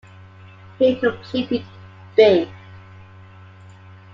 He completed B.